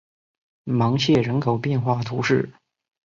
芒谢人口变化图示